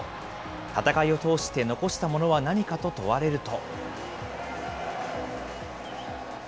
戦いを通して残したものは何かと問われると。